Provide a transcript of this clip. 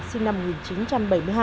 sinh năm một nghìn chín trăm bảy mươi hai